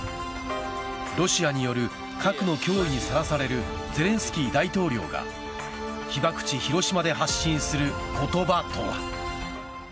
ロシアによる核の脅威にさらされるゼレンスキー大統領が被爆地、広島で発信する言葉とは。